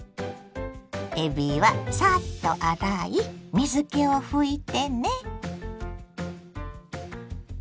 えびはサッと洗い水けを拭いてね。